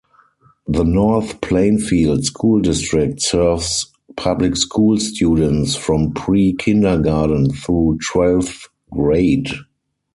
The North Plainfield School District, serves public school students from pre-kindergarten through twelfth grade.